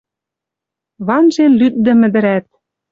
Ванжен лӱддӹм ӹдӹрӓт...